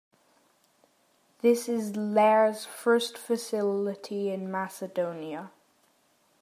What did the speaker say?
This is Lear's first facility in Macedonia.